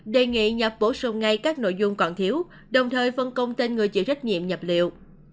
đề nghị nhập bổ sung ngay các nội dung còn thiếu đồng thời phân công tên người chịu trách nhiệm nhập liệu